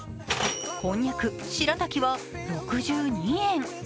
こんにゃく、しらたきは６２円。